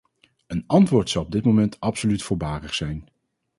Een antwoord zou op dit moment absoluut voorbarig zijn.